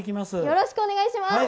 よろしくお願いします。